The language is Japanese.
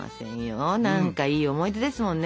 何かいい思い出ですもんね。